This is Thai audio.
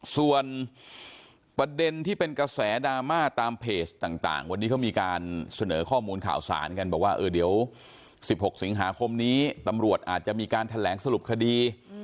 ส่วนประเด็นที่เป็นกระแสดราม่าตามเพจต่างวันนี้เขามีการเสนอข้อมูลข่าวสารกันบอกว่าเออเดี๋ยว๑๖สิงหาคมนี้ตำรวจอาจจะมีการแถลงสรุปคดี